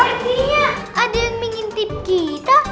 artinya ada yang mengintip kita